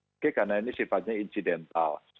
oke karena ini sifatnya insidental